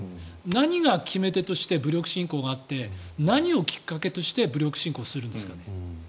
何が決め手として武力進攻があって何をきっかけとして武力進攻するんですかね。